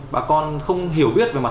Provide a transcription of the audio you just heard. bà con không hiểu biết về mọi thứ